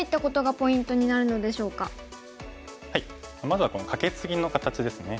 まずはこのカケツギの形ですね。